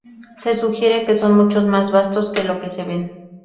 Se sugiere que son mucho más vastos que lo que se ven.